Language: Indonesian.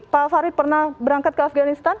pak farid pernah berangkat ke afganistan